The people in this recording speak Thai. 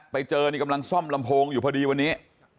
ไปเจอนี่กำลังซ่อมลำโพงอยู่พอดีวันนี้